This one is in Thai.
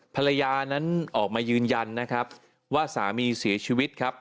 ภรรยานั้นออกมายืนยันนะครับว่าสามีเสียชีวิตครับ